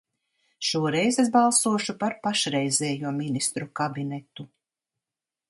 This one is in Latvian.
Šoreiz es balsošu par pašreizējo Ministru kabinetu.